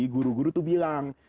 guru guru itu bilang